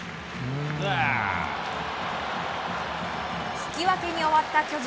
引き分けに終わった巨人。